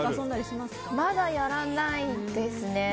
まだやらないですね。